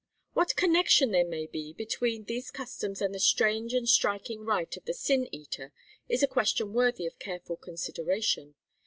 What connection there may be between these customs and the strange and striking rite of the Sin eater, is a question worthy of careful consideration.